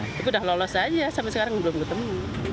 itu sudah lolos saja sampai sekarang belum ketemu